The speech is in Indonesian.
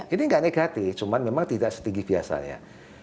ini nggak negatif cuma memang tidak setinggi biasanya